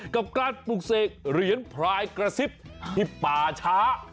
กับการปลูกเสกเหรียญพรายกระซิบที่ป่าช้า